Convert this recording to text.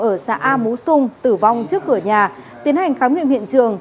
ở xã a mú xung tử vong trước cửa nhà tiến hành khám nghiệm hiện trường